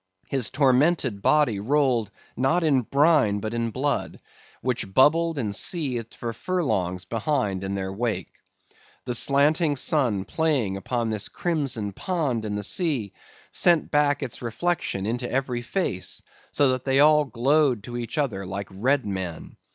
His tormented body rolled not in brine but in blood, which bubbled and seethed for furlongs behind in their wake. The slanting sun playing upon this crimson pond in the sea, sent back its reflection into every face, so that they all glowed to each other like red men.